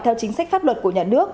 theo chính sách pháp luật của nhà nước